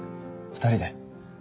２人で。